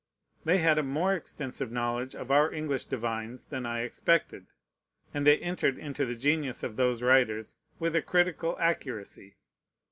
They had a more extensive knowledge of our English divines than I expected; and they entered into the genius of those writers with a critical accuracy.